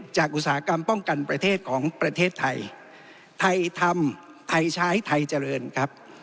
อุตสาหกรรมป้องกันประเทศของประเทศไทยไทยทำไทยใช้ไทยเจริญครับ